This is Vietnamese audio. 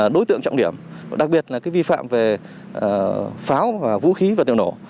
đối tượng trọng điểm đặc biệt là vi phạm về pháo và vũ khí vật điều nổ